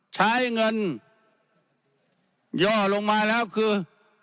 ใช้เงินย่อลงมาแล้วคือ